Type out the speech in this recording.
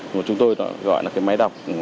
mà chúng tôi gọi là cái máy đọc